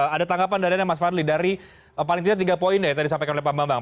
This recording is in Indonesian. ada tanggapan dan adanya mas fadli dari paling tiga poin ya yang tadi sampaikan oleh pak bambang